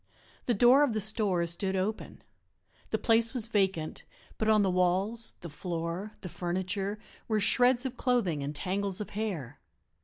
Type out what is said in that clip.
The door of the store stood open; the place was vacant, but on the walls, the floor, the furniture, were shreds of clothing and tangles of hair.